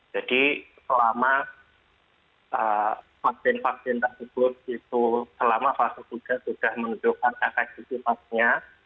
jadi selama vaksin vaksin tersebut itu selama fase sudah menunjukkan efektivitasnya